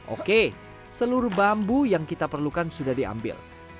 oke seluruh bambu yang kita perlukan sudah diambil